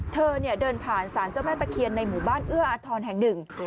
เธอเดินผ่านสารเจ้าแม่ตะเคียนในหมู่บ้านเอื้ออาทรแห่งหนึ่ง